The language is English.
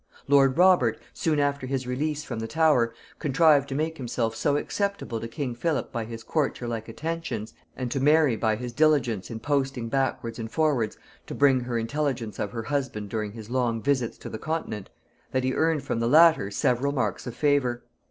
Lord Robert, soon after his release from the Tower, contrived to make himself so acceptable to king Philip by his courtier like attentions, and to Mary by his diligence in posting backwards and forwards to bring her intelligence of her husband during his long visits to the continent, that he earned from the latter several marks of favor.